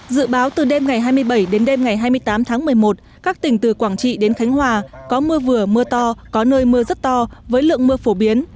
dự báo từ đêm ngày hai mươi bảy đến đêm ngày hai mươi tám tháng một mươi một các tỉnh từ quảng trị đến khánh hòa có mưa vừa mưa to có nơi mưa rất to với lượng mưa phổ biến